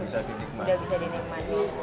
sudah bisa dinikmati